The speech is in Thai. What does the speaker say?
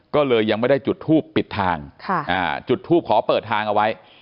ก็เลยยังไม่ได้จุดทูปปิดทางจุดทูปขอเปิดทางเอาไว้